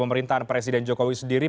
pemerintahan presiden jokowi sendiri